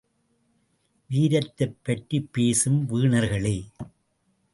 வீரத்தைப் பற்றிப் பேசும் வீணர்களே!